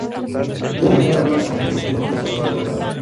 Dio nueva vida al viejo Club Católico local.